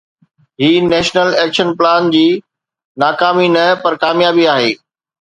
هي national action plan جي ناڪامي نه پر ڪاميابي آهي.